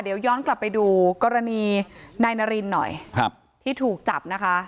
เดี๋ยวย้อนกลับไปดูกรณีนายนารินหน่อยครับที่ถูกจับนะคะ